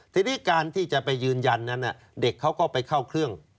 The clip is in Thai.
ทีนี้การที่จะไปยืนยันนั้นเด็กเขาก็ไปเข้าเครื่อง